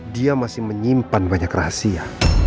dia masih menyimpan banyak rahasia